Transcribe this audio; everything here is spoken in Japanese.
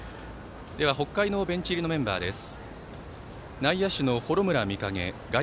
北海のベンチ入りのメンバーです。